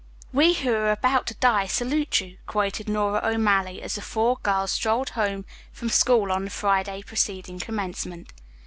"'We who are about to die salute you'" quoted Nora O'Malley, as the four girls strolled home from school on the Friday preceding commencement.